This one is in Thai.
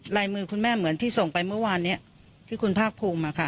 ลายมือคุณแม่เหมือนที่ส่งไปเมื่อวานนี้ที่คุณภาคภูมิมาค่ะ